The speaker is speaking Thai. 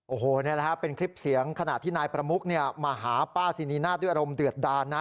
โอ้โหนี่แหละครับเป็นคลิปเสียงขณะที่นายประมุกมาหาป้าซีนีนาฏด้วยอารมณ์เดือดดานนะ